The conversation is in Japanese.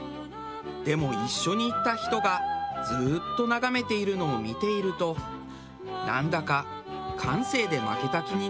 でも一緒に行った人がずーっと眺めているのを見ているとなんだか感性で負けた気になります。